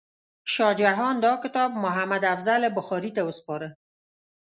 شاه جهان دا کتاب محمد افضل بخاري ته وسپاره.